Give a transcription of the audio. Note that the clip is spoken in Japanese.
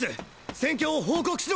戦況を報告しろ！